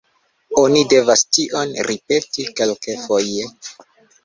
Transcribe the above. Oni devas tion ripeti kelkfoje.